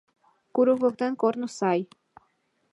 Курык воктен корно сай.